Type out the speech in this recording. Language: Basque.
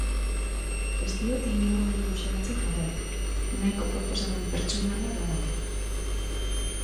Ez diot inongo eredu zehatzi jarraitu, nahiko proposamen pertsonala da hau.